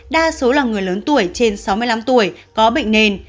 đa số là người lớn tuổi trên sáu mươi năm tuổi có bệnh nền